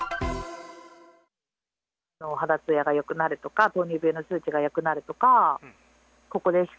肌つやがよくなるとか、糖尿病の数値がよくなるとか。